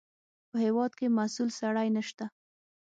په هېواد کې مسوول سړی نشته.